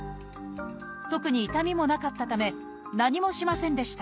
特に痛みもなかったため何もしませんでした。